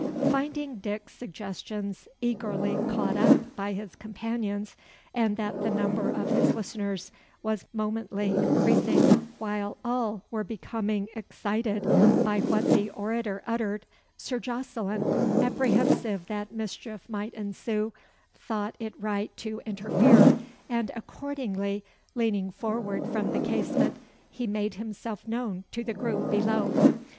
Finding Dick's suggestions eagerly caught up by his companions, and that the number of his listeners was momently increasing, while all were becoming excited by what the orator uttered, Sir Jocelyn, apprehensive that mischief might ensue, thought it right to interfere, and accordingly, leaning forward from the casement, he made himself known to the group below.